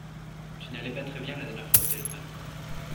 Tu n'allais pas très bien la dernière fois au téléphone.